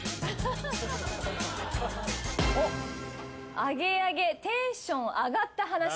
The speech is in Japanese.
アゲアゲテンション上がった話。